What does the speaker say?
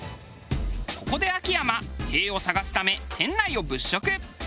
ここで秋山「へぇ」を探すため店内を物色。